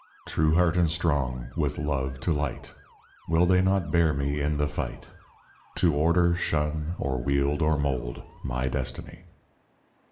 True heart and strong, with love to light Will they not bear me in the fight To order, shun or wield or mould My Destiny?